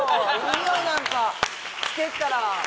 においなんかしてたら。